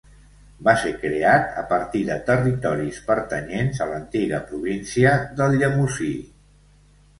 Va ser creat a partir de territoris pertanyents a l'antiga província del Llemosí.